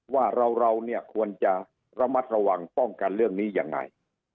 ว่าเราควรจะระมัดระหว่างป้องกันเรื่องนี้อย่างไร